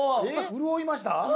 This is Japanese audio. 潤いました？